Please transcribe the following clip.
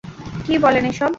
কি বলেন এসব?